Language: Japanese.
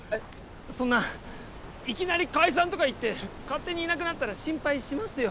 そんないきなり解散とか言って勝手にいなくなったら心配しますよ。